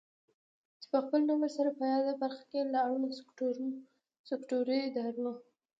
چې په خپل نوښت سره په یاده برخه کې له اړوندو سکټوري ادارو